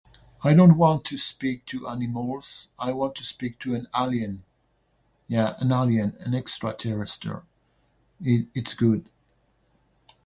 I don't want to speak to animals. I want to speak to an Alien. Yeah an Alien. An extraterrestial. Its good.